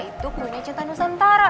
itu punya cinta nusantara